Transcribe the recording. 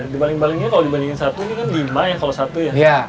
dibanding palingnya kalau dibandingin satu ini kan lima ya kalau satu ya